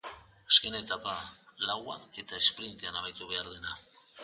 Azken etapa, laua eta esprintean amaitu behar dena.